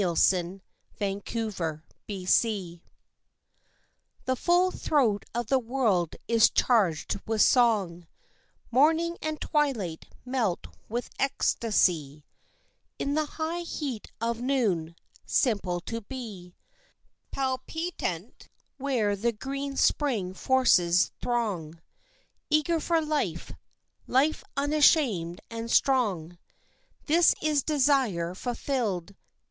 XXIV Aspiration II The full throat of the world is charged with song, Morning and twilight melt with ecstasy In the high heat of noon. Simply to be, Palpitant where the green spring forces throng, Eager for life, life unashamed and strong This is desire fulfilled.